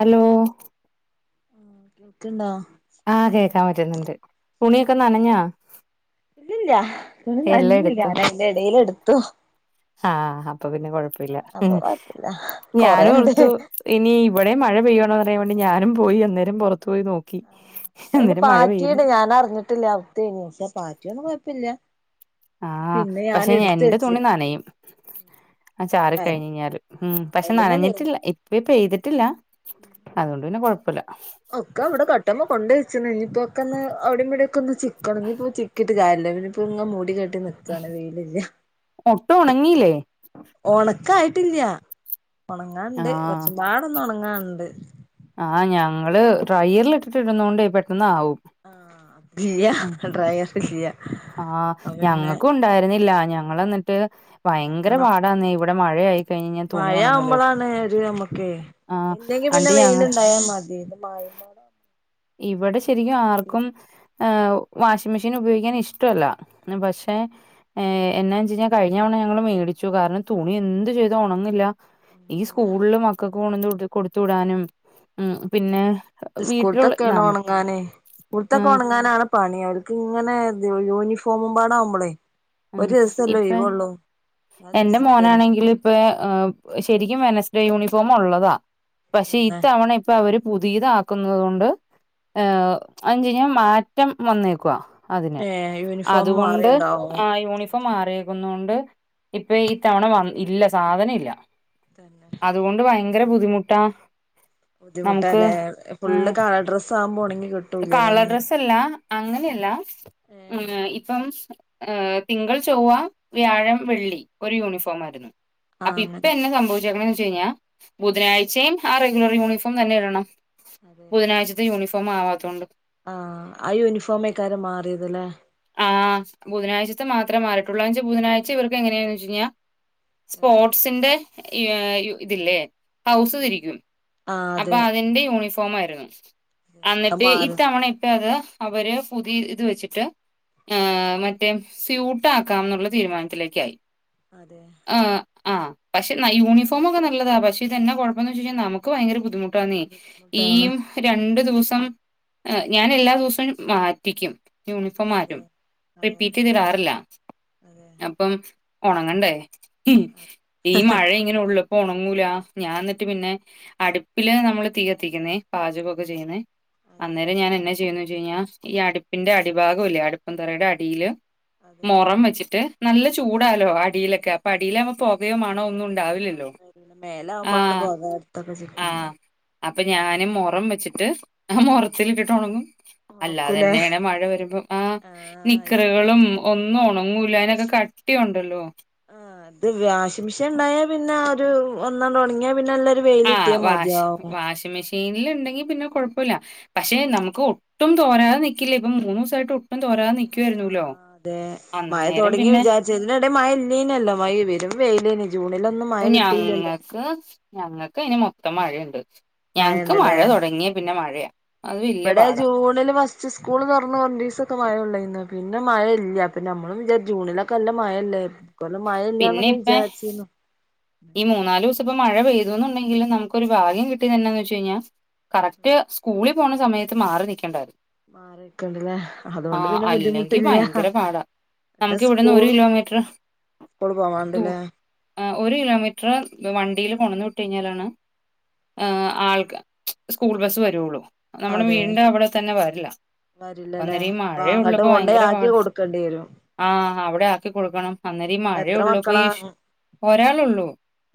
Hello ക്ക്ണോ ആ കേക്കാൻ പറ്റുന്നുണ്ട്. തുണിയൊക്കെ നനഞ്ഞാ? തുണി എല്ലാം നനഞ്ഞ് ഞാൻ അതിന്റെ ഇടേല് എടുത്തു ആ അപ്പ പിന്നെ കൊഴപ്പില്ല. അപ്പൊ കൊഴപ്പില്ല ഞാൻ കൊറേണ്ട് ഓർത്തു ഇനി ഇവടേം മഴ പെയ്യണോന്ന് അറയാൻ വേണ്ടി ഞാനും പോയി അന്നേരം പൊറ അതിന് പാറ്റിയത് പെയ്യുന്നില്ല ഞാനറിഞ്ഞിട്ടില്ല. [unintelligible] പാറ്റിയൊന്നും കൊയപ്പില്ല. ആ പക്ഷേ എന്റെ വെച്ച് തുണി നനയും ആ ചാറി കഴിഞ്ഞഴിഞ്ഞാല്. ഉം പക്ഷേ അയലുമ്മേലേനി നനഞ്ഞിട്ടില്ല. ഇപ്പ് ഈ പെയ്തിട്ടില്ല. അതോണ്ട് പിന്നേ കൊഴ ഒക്കെവടെ കട്ടുമ്മ് കൊണ്ട് വെച്ചണ്ണു. ഇനീപ്പോ ഒക്കന്ന് അവടേം ഇവടേം ഒക്കെ ഒന്ന് ചിക്കണം. ഇനിപ്പോ ചിക്കി ട്ട് കാര്യല്ല. ഇനിപ്പോങ്ങ മൂടികെ ട്ടി നിക്കാണ്. വെയ്ലില്ല്യ. ഒട്ടും ഉണങ്ങിയില്ലേ ഓണട്ട് ഇക്ക് ആയിട്ടില്ല ഒണങ്ങാണ്ട്. കുറച്ചുമ്പാടെ ഒന്ന് ഒണങ്ങാണ്ട്. ആ ഞങ്ങള് ഡ്രയറലിൽ ഇട്ടിട്ട് ഇടുന്നോണ്ടേ പെട്ടന്ന് ആവും. ആ ഇല്ല്യ. ഡ്രൈയറ്ല്യ ആ ഞങ്ങക്കും ഉണ്ടായിരുന്നില്ല. ഞങ്ങള് എന്നിട്ട് ഭയങ്കര പാടാന്നേ ഇവ വടെ മഴയായി കഴിഞ്ഞ് കഴിഞ്ഞാ തുണി മയ ഉണങ്ങല് ആവുമ്പളാണ് ഒര് നമുക്കേ. ആഹ് ഇല്ലെങ്കി അണ്ട് പിന്നേ വെയില്ണ്ടായ മതി ഇത് മയ ഇവടെ ശരിക്കും ആർക്കും ഏഹ് വാഷിംഗ് മെഷീൻ ഉപയോഗിക്കാൻ ഇഷ്ടല്ല. പക്ഷേ എന്നാന്നു വച്ചു കഴിഞ്ഞാ കഴിഞ്ഞ തവണ ഞങ്ങള് മേ ട്ച്ചു. കാരണം തുണി എന്ത് ചെയ്താ ഒണങ്ങില്ല ഈ സ്കൂളില് മക്കക്ക് പോണങ്ക് ഇത് കൊടുത്ത് വിടാനും. ഉം പിന്നേ സ്കൂൾത്തൊക്കെയാണ് ഒണങ്ങാനെ. സ്കൂത്തൊക്കെ ആഹ് ഒണങ്ങാനാണ് പണി. അവർക്ക്ങ്ങനെ യൂണിഫോമും പാടാവുമ്പളെ ഉം ഇപ്പ എല്ലാ എന്റെ ദിവസവും ഇല്ലല്ലോ മോനാണെങ്കിൽ ഇപ്പ ഏ ശരിക്കും വെനസ് ഡേ യൂണിഫോമ് ഒള്ളതാ. പക്ഷേ തന്നെ ഇത്തവണ ഇപ്പ അവര് പുതിയതാക്കുന്നുന്നത് കൊണ്ട് ഏ [unintelligible] മാറ്റം വന്നേക്ക്വാ അതിന് ഏ യൂണിഫോം അതുകൊണ്ട് മാറിണ്ടാവും ആ യൂണിഫോം മാറിയേക്കുന്നോണ്ട് ഇപ്പ ഈ തവണ വന്ന് ഇല്ല സാധനേം ഇല്ല. തന്നെ അതുകൊണ്ട് ഭയങ്കര ബുദ്ധിമുട്ടാ നമുക്ക് ബുദ്ധിമുട്ടല്ലേ ഫുള്ള് കളർ ഡ്രസ്സ് ആകുമ്പോ ഉണങ്ങി കിട്ടൂലല്ലോ കളർ അങ്ങനെ ഡ്രസ്സല്ല അങ്ങനെയല്ല മ് ഇപ്പം ഏഹ് തിങ്കൾ ചൊവ്വ വ്യാഴം വെള്ളി ഒരു യൂണിഫോം ആയിരുന്നു. ആ അപ്പൊ ഇപ്പൊ അങ്ങനെ എന്ന സംഭവിച്ചെക്ക്ണ്ന്ന് വെച്ചെയിഞ്ഞാൽ അതെ ബുധനാഴ്ചേം ആ റെ ഗുലർ യൂണിഫോം തന്നെ ഇടണം അതെ ബുധനാഴ്ചത്തെ യൂണിഫോം ആവാത്തോണ്ട് ആ ആ യൂണിഫോമേക്കാരം മാറിയേത് ലേ ആഹ് ബുധനാഴ്ച്ചത്തെ മാത്രം മറിട്ടുള്ളൂ ആന്ന്ച്ച ബുധനാഴ്ച ഇവർക്ക് എങ്ങനെയാന്ന്ച്ച് കഴിഞ്ഞാ കഴിയും സ്പോർട്സിന്റെ ഇതില്ലേ ഹൗസ് തിരിക്കും ആഹ് അപ്പൊ അതെ അതിന്റെ യൂണിഫോം ആയിരുന്നു അത് അന്നിട്ട് മാറും ഇത്തവണ ഇപ്പ അത് അവര് പുതിയ ഇത് വെച്ചിട്ട് ആ മറ്റേ സ്യൂട്ട് ആക്കാംന്നുള്ള തീരുമാനത്തിലേക്കായി അതെ ആ പക്ഷേ യൂണഫോം ഒക്കെ നല്ലതാ പക്ഷെ ഇതന്നെ കൊഴപ്പംന്ന് വെച്ചഴിഞ്ഞ നമുക്ക് ഭയങ്കര ബുദ്ധിമുട്ട ന്നേ ഈ ബുദ്ധിമുട്ടാണ് രണ്ടു ദിവസം ഞാൻ എല്ലാ ദിവസോം മാറ്റിക്കും യൂ നിഫോം അതെ മാറ്റും അതെ റിപ്പീറ്റ് ചെയ്തിടാറില്ല അതെ അപ്പം ഒണങ്ങണ്ടേ അതെ ഈ മഴ ഇങ്ങനെ ഒള്ളുപ്പ ഒണങ്ങൂല ഞാൻ എന്നിട്ട് പിന്നെ അടുപ്പില് നമ്മള് തീ കത്തിക്കുന്നേ പാചകൊക്കെ ചെയ്യുന്നേ അതെ അന്നേരം ഞാൻ എന്ന ചെയ്യുന്നു വെച്ച് കഴിഞ്ഞാ ഈ അടുപ്പിന്റെ അടിഭാഗം ഇല്ലേ അടുപ്പും തറയുടെ അടിയില് അതെ മൊറം വെച്ചിട്ട് നല്ല ചൂടാലോ അടിയിലൊക്കെ അപ്പൊ അടിയിലാവുമ്പോ പോകയോ മണമൊ ഒന്നും ഉണ്ടാ മേല് ആവുമ്പോഴാണ് പൊക ആഹ് [unintelligible] അപ്പൊ ഞാന് മൊറം വെച്ചിട്ട് ആ മൊറത്തിലിട്ടിട്ട് ഒണങ്ങും ഒണക്കൂലേ അല്ലാതെന്നായ്യണെ മഴ വരും ആ ആഹ് നിക്കറുകളും ഒന്നും ഒണങ്ങൂലാ അയിനൊക്കെ കട്ടിയുണ്ടല്ലോ ആ ഇത് വാഷിംഗ് മെഷീൻ ഉണ്ടായാ പിന്നെ ഒരു ഒന്നാണ്ട് ഒണങ്ങിയാ പിന്നെല്ല വെയിലിട്ടിയാ മതിയാവും വെയിലിണ്ടെങ്കി പിന്നെ കുഴപ്പല്ല പക്ഷെ നമുക്ക് ഒട്ടും തോരാതെ നിക്കില്ലേ ഇപ്പ മൂന്നു ദിവസായിട്ട് ഒട്ടും തോരാതെ അതെ ആ നിക്കുവായിരുന്നൂല്ലോ. അതെ മയ അന്നേരം തൊടങ്ങി പിന്നെ വിചാരിച്ച് ഇതിന്റെടേൽ മയ ഇല്ലേനിലോ മയ വരും വെയിലേനി ജൂണിലൊന്നും മഴ കിട്ടിയില്ലല്ലോ ഞങ്ങക്ക് ഞങ്ങക്ക് അയിന് മൊത്തം മഴയിണ്ട് മഴണ്ടല്ലേ അത് വല്യ ഇവിടെ പാടാ. ജൂണില് ഫസ്റ്റ് സ്കൂൾ തൊറന്ന് രണ്ടീസം മഴണ്ടെന്ന് പിന്നെ മഴല്ല അപ്പ നമ്മളും വിചാരിച്ചു ജൂണിലൊക്കെ നല്ല മഴ അല്ലേ ഇക്കൊല്ലം മഴ പിന്നെ ഇല്ലാന്നൊക്കെ ഇപ്പ വിചാരിച്ചീനു ഈ മൂന്നാല് ദിവസപ്പ മഴ പെയ്തുന്നുണ്ടങ്കിലും നമുക്ക് ഒരു ഭാഗ്യം കിട്ടിത് എന്നാന്നെച്ച് കയിഞ്ഞാ കറക്റ്റ് സ്കൂളി പോണ സമയത്ത് മാറി നിക്കണ്ടായിരുന്നു മാറിക്കണ്ടല്ലേ ആ അതുകൊണ്ട് പിന്നെ അല്ലെങ്കി ബുദ്ധിമുട്ടില്ല ഭയങ്കര പാടാ. പിന്നെ നമുക്ക് ഇവിടുന്ന് സ്കൂള് കിലോമീറ്റർ സ്കൂള് പോവാണ്ടല്ലേ മീറ്റർ വണ്ടിയിൽ കൊണ്ടന്ന് വിട്ടു കഴിഞ്ഞാലാണ് ആ ആൾക്ക് സ്കൂൾ ബസ് വരുള്ളു നമ്മുടെ അതെ വീടിന്റെ അവടെ തന്നെ വരില്ല വരില്ലല്ലേ അന്നേരം ഈ അ അങ്ങോട്ട് കൊണ്ടയി ആക്കി കൊടുക്കേണ്ടി വരും ആ അവിടെ ആക്കി കൊടുക്കണം അന്നേരം മഴയ എത്ര ഉള്ളപ്പൊ മക്കളാ ഈ ഒരാളൊള്ളൂ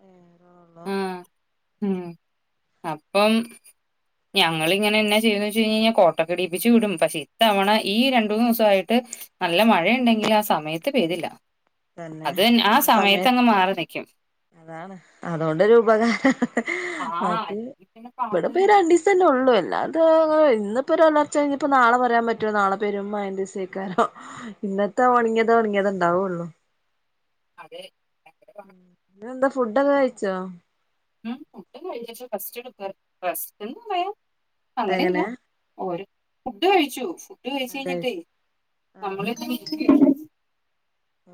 ഒരാളൊള്ളൊ ഉം അപ്പം ഞങ്ങൾ ഇങ്ങനെ എന്നാ ചെയ്തന്ന് വെച്ച് കഴിഞ്ഞാൽ കോട്ടക്കീടീപ്പിച്ച് വിടും പക്ഷെ ഇത്തവണ ഈ രണ്ട് മൂന്ന് ദിവസമായിട്ട് നല്ല മഴയണ്ടെങ്കിൽ ആ സമയത്ത് പെയ്തില്ല അതന്നെ അത് ആ സമയത്ത് അങ്ങ് മാറി നിക്കും അതാണ് അതുകൊണ്ടൊരു ഉപകാരാണ് ആഹ് മറ്റേ അല്ലെങ്കി പിന്നെ ഇവിടെപ്പേ പാടല്ലേ രണ്ടിസം അല്ലെ ഉള്ളൂ എല്ലാട് ത്തും ഇന്നിപ്പോഒരു ഒലർച്ച കഴിഞ്ഞപ്പോ നാളെ പറയാൻ പറ്റുമോ നാളെ പെരും മയന്റെ ദിവസായിക്കാരും ഇന്നത്തെ ഒണങ്ങിയത ഒണങ്ങിയത് ഒണ്ടാവോള്ളോ അതെ ഭയങ്കര പാടാ പിന്നെന്താ ഫുഡൊക്കെ കഴിച്ചോ? ഉ പുട്ട കഴ ഫസ്റ്റ് എ ഫസ്റ്റ് എന്താ പറയാ [unintelligible] അങ്ങനെ എങ്ങനെ അല്ലാ ഓ ഫുഡ് കഴിച്ചു ഫുഡ്‌ ആ കഴി കഴിച്ചുകഴിഞ്ഞിട്ട് ആ നമ്മള് ഇങ്ങനെ ഇരിക്കാണ്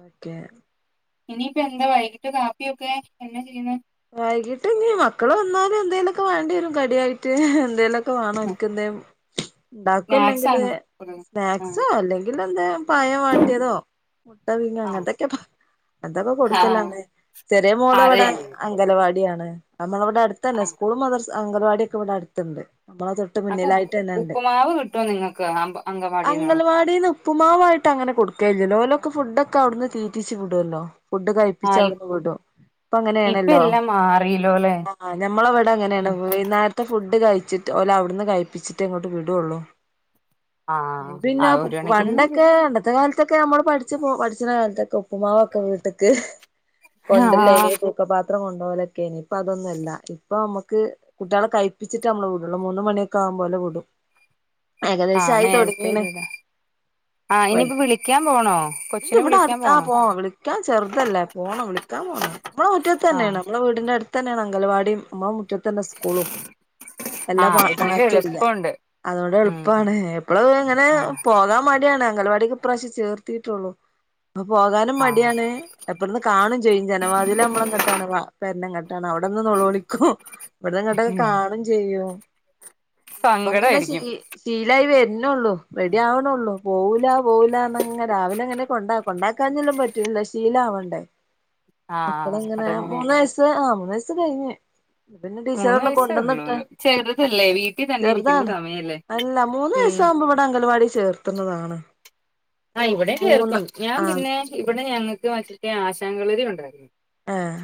ഓക്കെ ഇനിയിപ്പ എന്താ വൈകിട്ട് കാപ്പിയൊക്കെ എന്ന ചെയ്യുന്ന വൈകിട്ട് ഇനി മക്കള് വന്നാലും എന്തേലൊക്കെ വേണ്ടി വരും കടിയായിട്ട് എന്തേലൊക്കെ ക്കെ വാണോൽക്ക് എന്തേലും ഇണ്ടാക്കും സ്നാക്സ് അല്ലെങ്കില് ആണോ സ്നാക്സോ ആഹ് അല്ലെങ്കിൽ എന്താ പയം വട്ടിയതോ മുട്ടപീങ്ങ ആഹ് അങ്ങനത്തൊക്കെ എന്തൊക്ക ആഹ് കൊടുക്കല്ലാണെ ചെറിയ മോള് അതെ വിടെ അംഗലവാടിയാണ് നമ്മളവിടെ അടുത്തന്നെ ആഹ് സ്കൂളും മർദസ്സും അംഗലവാടിയൊക്കെ ഇവിടെ അടുത്തുണ്ട് നമ്മള തൊട്ട് അപ്പൊ ഉപ്പ് മുന്നിലായിട്ട് തന്നെ ഇണ്ട് ഉപ്പുമാവ് കിട്ടുവോ നിങ്ങക്ക് അംഗ അങ്കവാടിന്ന് അംഗൽവാടിന്ന് ഉപ്പുമാവായിട്ട് ട്ടങ്ങനെ കൊടുക്കലില്ലല്ലോ ഓല് ഫുഡോക്കെ അവിടുന്ന് തീറ്റിച്ച് വിടുല്ലോ ഫുഡ് കഴിപ്പിച്ച് ആഹ് അവിടുന്ന് ഇപ്പ വിടും ഇപ്പൊ അങ്ങനെ ഇപ്പ ലോ എല്ലാം മാറിലോല്ലേ ഞമ്മളെവടെ അങ്ങനെയാണ് വൈന്നേരത്തെ ഫുഡ്‌ കൈ കഴിച്ചിട്ട് ഓലവിടുന്ന് കഴപ്പിച്ചിട്ടെ ഇങ്ങോട്ട് വിടുള്ളു ആഹ് പിന്നെ ആഹ് ഒരു കണക്കിന് പണ്ടൊക്കെ നല്ലയാ പണ്ടത്തെ കാലത്തൊക്കെ നമ്മള് പഠിച്ച് പഠിച്ചണ കാലത്തൊക്കെ ഉപ്പ്മാവൊക്കെ വീട്ട്ക്ക് ആ പാത്രം കൊണ്ടോലൊക്കെ അയ്നിം ഇപ്പ അതൊന്നല്ല ഇപ്പ നമക്ക് കുട്ടികളെ കഴപ്പിച്ചിട്ട് നമ്മള് വിടുള്ളൂ മൂന്ന് മണി ആകുംമ്പോലെ വിടും [unintelligible] ഏകദേശം ആഹ് ആയി നേരത്തെ തുടങ്ങീണ് വിടാ ആഹ് പോ ഇനിയിപ്പോ വിളിക്കാൻ പോണോ കൊച്ചിനെ ഇല്ലിവിടെ വിളിക്കാൻ അടുത്ത ആ പോണോ പോണം വിളിക്കാൻ ചെറുതല്ലേ പോണം വിളിക്ക ക്കാൻ പോണം നമ്മളുടെ മുറ്റത്ത് ആഹ് തന്നെയാണ് നമ്മുടെ വീടിന്റെ അടുത്ത് തന്നെയാണ് അങ്കലവാടിയും നമ്മളെ മുറ്റത്ത് തന്നെ സ്കൂളും വെല്ല ആഹ് അതുകൊണ്ട് മാറ്റല്ല എളുപ്പമുണ്ട് അതുകൊണ്ട് ഉം എളുപ്പാണ് എപ്പള ഇങ്ങനെ ആഹ് പോകാൻ മടിയാണ് അംഗലവാടിക്ക് ഇപ്രാവശ്യം ചേർത്തിട്ടുള്ളൂ അപ്പൊ പോകാനും ആഹ് മടിയാണ് എപ്പറന്ന് കാണും ചെയ്യും ജനവാതിൽ നമ്മളെ ഇങ്ങട്ടാണ് പെരന്റെ ഇങ്ങട്ടാ അവിടെന്ന് നൊളോളിക്കും ഇവിടന്ന്ങ്ങോട്ട കാണും ചെയ്യും അപ്പങ്ങനെ ശീ സങ്കടായിരിക്കും ശീലായി വരണള്ളൂ റെഡി ആവണള്ളൂ പോവൂല പോവൂല അർഞങ്ങനെ രാവിലെ അങ്ങനെ കൊണ്ടാക്കും കൊണ്ടാക്കാഞ്ഞെല്ല പറ്റൂലല്ലോ ശീലാവണ്ടേ ആ മക്കളെങ്ങനെ മൂന്ന വയസ് ആ മൂന്ന വയസ്സ് കഴിഞ് പിന്നെ ടീച്ചർ മൂന്ന് അർഞ് വയസ്സേ കൊണ്ടുവന്നിട്ട ഉള്ളൂല്ലോ ചെറുതല്ലേ വീട്ടിൽ തന്നെ ഇരിക്കേണ്ട ചെറുതാണ് സമയല്ലേ അല്ല മൂന്ന് വയസ് ഉം വുമ്പ ഇവിടെ അംഗൽവാടി ചേർത്തുന്നതാണ് ആ മൂ ഇവിടെ മൂന്ന് ചേർക്കും ഞാൻ ആഹ് പിന്നെ ഇവിടെ ഞങ്ങൾക്ക് മറ്റത്തെ ആശകളരി ഉണ്ടായിരുന്നു ഏഹ്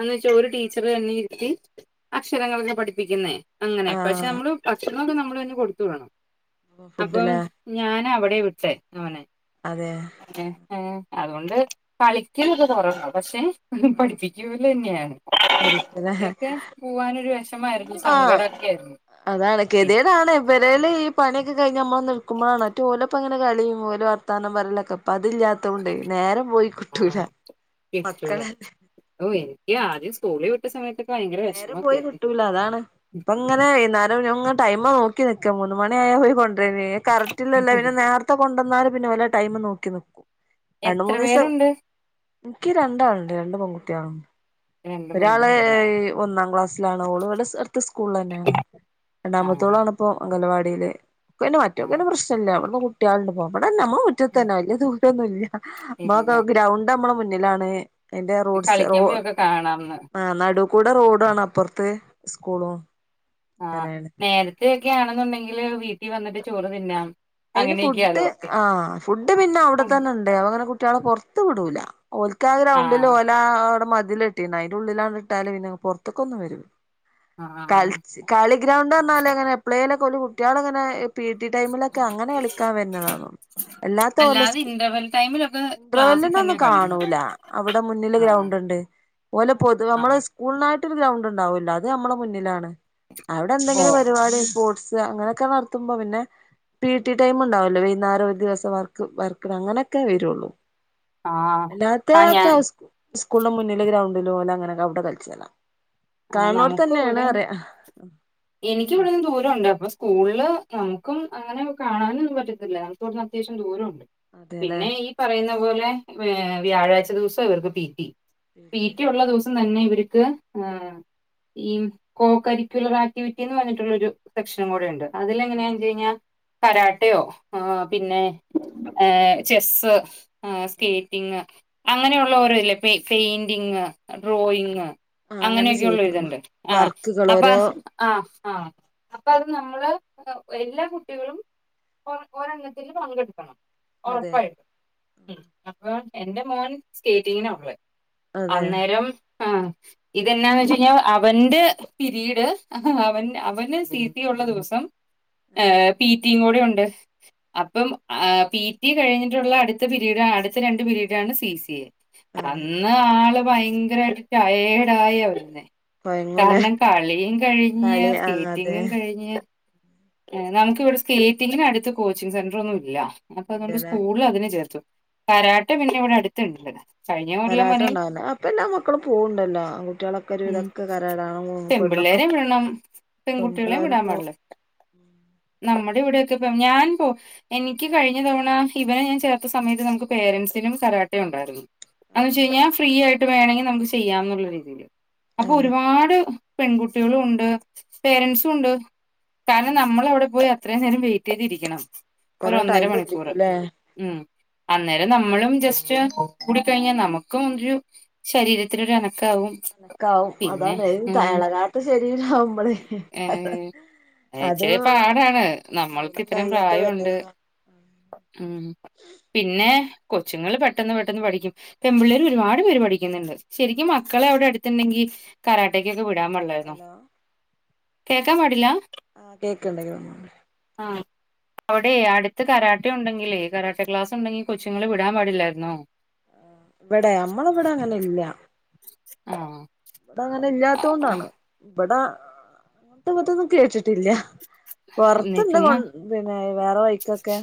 എന്ന് വെച്ച ഒരു ടീച്ചർ തന്നെ ഇരുത്തി അക്ഷരങ്ങളൊക്കെ പഠിപ്പിക്കുന്നേ അങ്ങനെ പക്ഷെ ആഹ് നമ്മള് ഭക്ഷണമൊക്കെ നമ്മൾ തന്നെ കൊടുത്ത് വിടണം അപ്പം ഫുഡിലെ ഞാന അവിടെ വിട്ടെ മോനെ അതെ അതുകൊണ്ട് കളിക്കലൊക്ക കൊറവാണ് പക്ഷെ ആഹ് പഠിപ്പിക്കൂലന്നെയാണ് ആദ്യോക്കെ പോവാനൊരു വെഷ ആ അതാണ് പിന്നെ കെതടാണ് ഇവരെല് ഈ പണിയൊക്കെ കഴിഞ് നമ്മളൊന്നു നൽക്ക്പോഴാണ് മറ്റേത് ഓലപ്പങ്ങനെ കളീം ഓല് വർത്താനം പറയാലൊക്കെ അതില്ലാത്തോണ്ട് നേരം പോയി കിട്ടൂല ആഹ് മക്കളല്ലേ [unintelligible] ഓ എനിക്ക് ആദ്യം സ്കൂളിൽ സമയത്തൊക്കെ ഭയങ്കര നേരം വിഷമൊക്കെ പോയി കിട്ടൂല അതാണ് ഇപ്പങ്ങനെ വൈന്നേരം ഞാനങ്ങനെ ടൈമ നോക്കി നോക്കി നിക്കാ മൂന്ന് മണി ആയ പോയി കൊണ്ടരെയിനി ആയിരുന്നു കറക്റ്റിലല്ലപിന്നെ നേരത്തെ കൊണ്ടന്നാലും പിന്നെ വലെ ടൈമ് നോക്കി നിക്കും രണ്ട എത്ര മൂന്ന് ദിവസം പേരുണ്ട് ഇക്ക് രണ്ടാളുണ്ട് രണ്ട് പൊൺകുട്ട്യാൾ ത്യാ ഇൻക്ക് രണ്ട് പെൺ കുട്ടിയാള ഒന്നാം ക്ലാസ്സിലാണ് ഓള്വിടെ അടുത്ത സ്കൂള തന്നെയാണ് ആഹ് രണ്ടാമത്തോളാണ്പ്പൊ അംഗലവാടിയിൽ ഒക്കെന്നെ ആഹ് മാറ്റോക്കെന്നെ പ്രശ്നല്ല ഇവിടുന്ന് കുട്ട്യാളിണ്ട് പോക ഇവിടെന്നെ മ്മളെ ഉം മുറ്റത്തന്നെ വല്യ ദൂ പിയേന്നുല്ല്യ ഇല്ല മക്ക് ഗ്രൗണ്ട് നമ്മള മുന്നിലാണ് പിന്നെ റോഡ് സെയ് റോഡ് കളിക്കുമ്പോഴൊക്കെ കാണാംന്ന് ആ നടു റോടാണ് അപ്പർത്തെ സ്കൂളും ആഹ അങ്ങനെയാണ് നേരത്ത ഒക്കെ ആണെന്നുണ്ടെങ്കില് വീട്ടിൽ വന്നിട്ട് ചോറ് തിന്നാം അയിന് ഫുഡ് അങ്ങനെയൊക്കെയാലോ ആ ഫുഡ് പിന്നെ അവിടെത്തന്നെ ഉണ്ട് അ അങ്ങനെ കുട്ടികളെ പൊറത്തു വിടൂല ഓലക്കാ ഗ്രൗണ്ടിൽ ആഹ് ഓലൗടെ മതിലെട്ടീക്ക്‌ണ് അതിന്റെ ഉള്ളിലാങ്ട്ടല് പിന്നെ പുറത്തേക്കൊന്നും വര്ല ആഹ് കളിച്ച് കളി ഗ്രൗണ്ട് ന്നാലേ അങ്ങനെ എപളലൊ ക്കെല് കുട്ടികളിങ്ങനെ പീടി ടൈമിൽ അങ്ങനെ കളിക്കാൻ വരുന്നതാ എല്ലാത്ത പോലെ അല്ലാതെ സ്കൂ ഇന്റർവെൽ ടൈമിലൊക്കെ ക്ലാസ്സിൽ തന്നെ ഇൻട്രവെല്ലിനോന്നും കളി കാണൂല അവിടെ മുന്നില് ആഹ് ഗ്രൗണ്ട് ഉണ്ട് ഓല പൊതുവെ നമ്മള് ആഹ് സ്കൂളിനായിട്ട് സ്കൂൾനായിട്ട് ഗ്രൗണ്ട് ഉണ്ടാവല്ലോ അത് നമ്മെ മുന്നിലാണ് അവിടെ ഓ എന്തെങ്കിലും പരിപാടി സ്പോർട്സ് അങ്ങനെയൊക്കെ നടത്തുമ്പോ പിന്നെ പീടി ടൈം ണ്ടാവല്ലോ വൈകുന്നേരം ഒരു ദിവസം വർക്ക് വർക്കിനങ്ങനെക്കെ വരുള്ളൂ ആഹ് ആഹ് ഞാൻ അല്ലാത്തക്കെ സ്കൂളിന്റെ മുന്നില് ഗ്രൗണ്ടില് പോലെ അങ്ങനെെ അവിടെ കളിച്ചാ ആ നമുക്ക ഇവിടെ എനിിക്ക ഇവിടെന്നും ദൂരം ഉണ്ട അപ്പൊ സ്കൂ സ്കൂളില് നമുക്കും അങ്ങനെ കാണാനൊ ഒന്നും പറ്റത്തില്ല നമുക്കി വിടുന്ന് അത്യാവ്യം ദൂരണ്ട് അതെല്ലേ പിന്നെ ഈ പറയുന്ന പോലെ ഏർ വ്യാഴാഴ്ച ദിവസം ഇവർക്ക് പീറ്റി പി ടി പീറ്റി ഉള്ള ദിവസം തന്നെ ഇവർക്ക് ഇഹ് ഈ കോ കരിക്കുലർ ആക്ടിവിറ്റിന്ന് പറഞ്ഞിട്ടുള്ളൊരു സെക്ഷനും കൂടെ ഉണ്ട് അതില എങ്ങനെയാ അതെ ചെയ കരാാട്ടയോ ആ പിന്നെ ഏർ ചെസ്സ് ആ സ്കേറ്റിങ് അങ്ങനെയുള്ള അങ്ങനെ ഓരോ ഇല്ലെ പെയിന്റിങ് ഡ്രോയിങ് ആഹ അങ്ങനെ ചെയ്യും കേൾക്കണ്ട് ആ അപ്പ ആ ആഹ അപ്പ അത് നമ്മള് എല്ലാ കുട്ടികളും കൊടുക്കണം ഒരെണ്ണത്തിൽ പങ്കെടുക്കും അതെ ഉറപ്പായിട്ടും അപ്പൊ എന്റെ മോൻ സ്കേറ്റിങ്ങിനാള്ളെ അതെ അന്നേരം ആ ഇതെന്നാന്ന് വച്ച അവന്റെ പിരീഡ് അവൻ അവന് പീറ്റി ഉള്ള ദിവസം ഏ പീറ്റയും കൂടെ ഉണ്ട് അപ്പം പിറ്റി കഴിഞ്ഞിട്ടുള്ള അടുത്ത പിരീഡാണ് അടുത്ത രണ്ട് പിരീഡ ആണ് സി സി എ അതെ അന്ന് ആള് ഭയങ്കരമായിട്ട് ടയേർഡായിയാ വരുന്നെ കൊയങ്ങൂലെ കാരണം കളിയും കഴിഞ്ഞ് കളി ആ അതെ സ്കേറ്റിങ്ങും കഴിഞ്ഞ് നമുക്ക് ഇവിടെ സ്കേറ്റിങ്ങിന് അടുത്ത കോച്ചിംഗങ് സെന്റർ ഒന്നും ഇല്ല അപ്പൊ അതുകൊണ്ട് ഇല്ലല്ലേ സ്കൂള അതിനെ ചേർത്തു കരാട്ട പിന്നെ ഇവിടെ അടുതുണ്ട് കരാട്ട ഉണ്ടാവുന്ന അപ്പൊ എല്ലാ മക്കളും പോവണ്ടല്ലോ ആ കുട്ടികളൊക്കെ ഒരു വിതൊക്കെ കരാടാണ് പെണ്ണൊക്കെ പിള്ളരെ വിടണം പെൺകുട്ടികളെയും വിടാൻ പാടില്ല ഉം നമ്മുടെ ഇവിടെയൊക്കെ ഇ ഞാൻ പോ എനിക്ക് കഴിഞ്ഞ തവണ ഇവന ഞാൻ ചേർത്ത സമയത്ത് നമുക്ക് പേരൻസിനും കരാട്ടെ ഉണ്ടായിരുന്നു അന്ന് അതെ വെച്ച കഴിഞ്ഞാൽ ഫ്രീ ആയിട്ട് വേണെങ്കിൽ നമുക്ക് ചെയ്യാം എന്നുള്ള രീതിയില് അപ്പൊ അതെ ഒരുപാട് പെൺകുട്ടികളും ഉണ്ട് പേരന്റ്സും ഉണ്ട് കാരണം അതെ നമ്മൾ അവിടെ പോയി ഇത്രയും നേരം വെയിറ്റ് ചെയ്തിരിക്കണം ഒ കൊറെ ഒന്നര ടൈം മണിക്കൂർ പിടിക്കുംല്ലേ മ് അന്നേരം നമ്മളും ജസ്റ്റ് കൂടി കഴിഞ്ഞാൽ നമുക്കും രു ശരീരത്തിനോരനക്കാവും കാവും അനക്കാവും പിന്നെ അതാണ് ഉ എളകാത്ത ശരീരാവുമ്പളേ ഏ അത് ഇച്ചിരി പാടാണ് നമ്മൾക്ക് മേലും ഇത്രയും കൈയൊക്കെ പ്രയോണ്ട് വേദന ഉം പിന്നെ ഏ കൊച്ചുങ്ങൾ പെട്ടെന്ന് പെട്ടെന്ന് പഠിക്കും പെപിള്ളേർ ഒരുപാട് പേര് പഠിക്കുന്നുണ്ട് ശരിക്കും മക്കളെ അവിടെടു ണ്ടെങ്കി കറരാട്ടക്കൊക്കെ വിടാൻ പാടില്ലായിുന്നോ ഹലോ കേക്കാൻ പാടില്ല ആ കേക്കണ്ടങ്കി വന്നോണ്ട് ആ അവിടെയ അടുത്ത് കരാട്ട ഉണ്ടെങ്കിലേ കരാട്ടെ ക്ലാസ് ഉണ്ടെങ്കിൽ കൊച്ചുങ്ങള്ൾ വിടാൻ പാടില്ലായിരുന്നോ ഇവിടെ നമ്മളെ ഇവിടെ ആ ഇവിട അങ്ങനെ ഇല്ലാത്ത കൊണ്ടാണ് ഇവിട അങ്ങത്തെ മറ്റൊന്നും കേട്ടിട്ടില്ല ന്ന് പുറത്ത്ന്താ കൊ ചുമ്മാ പിന്നെ വേറെ വഴിക്കൊക്കെ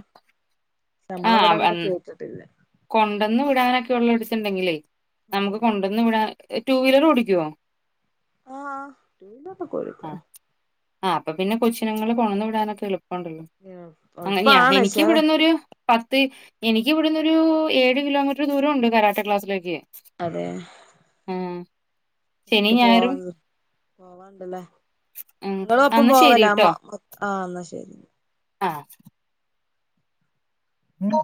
നമ്മളവിടെ ആഹ് അങ്ങനെ അൻ കേട്ടിട്ടില്ലേ കൊണ്ടന്ന് വിടാനൊക്കെ ഉള്ള ഒടിച്ച ഉണ്ടെങ്കിലേ നമുക്ക് അതെ കൊണ്ടുവന്ന് വിടാ ടു വീലർ ഓടിക്കുവോ ആ ട്യൂവിലർ ഒക്കെ ഒടിക്കും ആ് അപ്പൊ പിന്നെ കൊച്ചുിനങ്ങള്ൾ കൊണന്നു വിടാനൊക്കെ എളുപ്പമ ഉണ്ടള്ളു അങ്ങനെയാ എളുപ്പാണ് എനിക്ക് പക്ഷെ ഇവിടന്നൊരു പത്ത് എനിക്ക് ഇവിവിടുന്നൊരു ഏഴ് കിലോമീറ്റർ ദൂരം ഉണ്ട് കരാട്ട ക്ലാസ്സിലേക്ക് അതെ ആഹ് ശനി കുട്ടി ഞായറും പോവാൻ പോവാൻ ല്ല ഉം നിങ്ങളും അപ്പം അന്നാ പോവല ശരിട്ടോ അ ആ എന്നാ ശരി ആ ഉ ഉ